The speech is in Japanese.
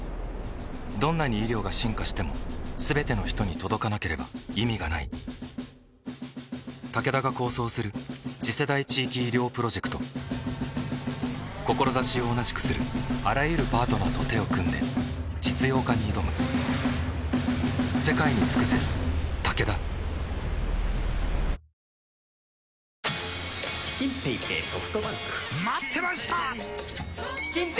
どんなに医療が進化しても全ての人に届かなければ意味がないタケダが構想する次世代地域医療プロジェクト志を同じくするあらゆるパートナーと手を組んで実用化に挑むチチンペイペイソフトバンク！待ってました！